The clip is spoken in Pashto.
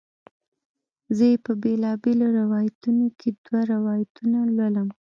زه یې په بیلابیلو روایتونو کې دوه روایتونه لولم.